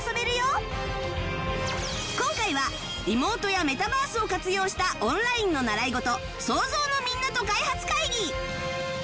今回はリモートやメタバースを活用したオンラインの習い事 ＳＯＺＯＷ のみんなと開発会議